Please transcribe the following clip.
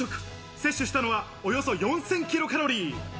摂取したのはおよそ４０００キロカロリー。